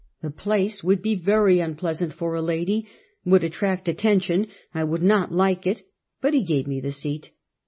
The place would be very unpleasant for a lady, would attract at tention, I would not like it; but he gave me the seat.